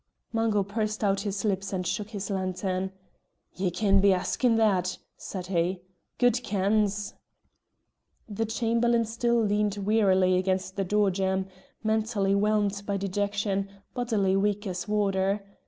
Mungo pursed out his lips and shook his lantern. "Ye can be askin' that," said he. "Gude kens!" The Chamberlain still leaned wearily against the door jamb, mentally whelmed by dejection, bodily weak as water.